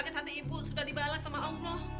sakit hati ibu sudah dibalas sama allah